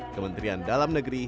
kementerian dalam negeri